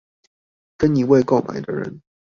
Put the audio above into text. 跟一位購買的人